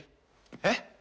えっ？